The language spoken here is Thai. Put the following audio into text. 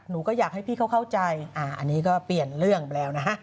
หนูก็อยากให้พี่เขาเข้าใจอันนี้ก็เปลี่ยนเรื่องไปแล้วนะฮะ